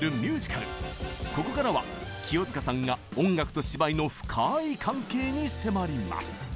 ここからは清塚さんが音楽と芝居の深い関係に迫ります。